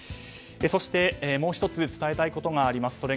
そして、もう１つ伝えたいことがあります。